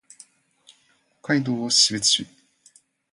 北海道士別市